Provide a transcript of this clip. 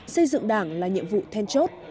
xây dựng đảng là nhiệm vụ then chốt